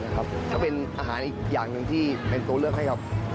ก็เป็นอาหารอีกอย่างหนึ่งที่เป็นตัวเลือกให้กับ